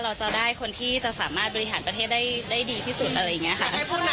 เราจะได้คนที่จะสามารถบริหารประเทศได้ดีที่สุดอะไรอย่างนี้ค่ะ